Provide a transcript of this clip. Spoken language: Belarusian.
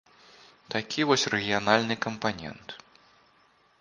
Такі вось рэгіянальны кампанент.